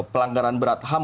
pelanggaran berat ham